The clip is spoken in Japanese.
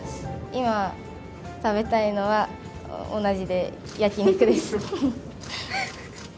今、食べたいのは、同じで、焼き肉です。